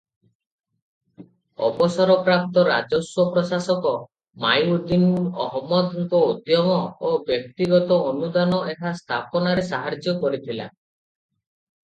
ଅବସରପ୍ରାପ୍ତ ରାଜସ୍ୱ ପ୍ରଶାସକ ମଇଉଦ୍ଦିନ ଅହମଦଙ୍କ ଉଦ୍ୟମ ଓ ବ୍ୟକ୍ତିଗତ ଅନୁଦାନ ଏହା ସ୍ଥାପନାରେ ସାହାଯ୍ୟ କରିଥିଲା ।